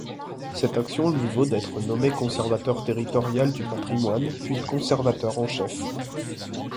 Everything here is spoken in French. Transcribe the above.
Cette action lui vaut d'être nommée Conservateur territorial du patrimoine puis Conservateur en chef.